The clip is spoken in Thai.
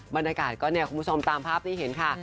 บรรยากาศก็คุณผู้ชมตามภาพนี้เห็นค่ะ